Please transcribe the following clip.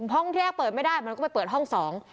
ห้องที่แรกเปิดไม่ได้มันก็ไปเปิดห้องสอง